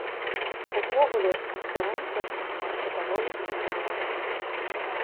Увогуле, канферэнцыя атрымалася даволі цікавая.